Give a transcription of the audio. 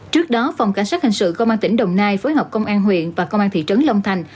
trước đó phòng cảnh sát hình sự công an tỉnh đồng nai phối hợp công an huyện và công an thị trấn long thành